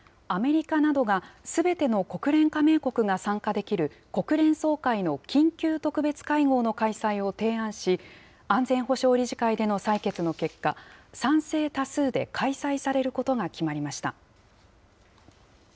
アメリカなどがすべての国連加盟国が参加できる国連総会の緊急特別会合の開催を提案し、安全保障理事会での採決の結果、賛成多数で開催されることが決まりました。